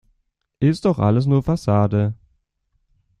Ist doch alles nur Fassade.